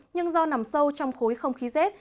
nhưng do nằm sâu trong khối không khí rét